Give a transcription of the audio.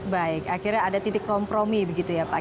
baik akhirnya ada titik kompromi begitu ya pak